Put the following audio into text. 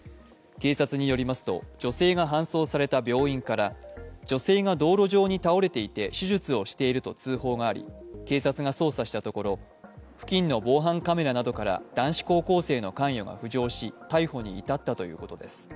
警察によりますと女性が搬送された病院から女性が道路上に倒れていて手術をしていると通報があり、警察が捜査したところ、付近の防犯カメラなどから男子高校生の関与が浮上し逮捕に至ったということです。